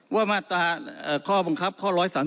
ว่ามาตราข้อบังคับข้อ๑๓๓